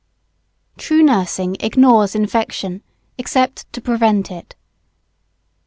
True nursing ignores infection, except to prevent it.